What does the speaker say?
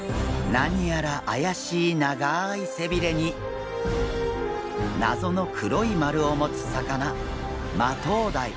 何やらあやしい長い背びれに謎の黒いまるを持つ魚マトウダイ。